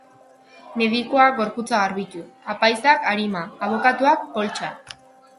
Medikuak gorputza garbitu, apaizak arima, abokatuak poltsa.